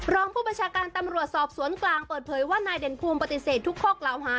รองผู้บัญชาการตำรวจสอบสวนกลางเปิดเผยว่านายเด่นภูมิปฏิเสธทุกข้อกล่าวหา